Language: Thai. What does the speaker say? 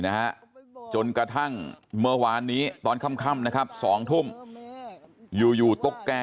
นะฮะจนกระทั่งเมื่อวานนี้ตอนค่ำนะครับ๒ทุ่มอยู่อยู่ตุ๊กแก่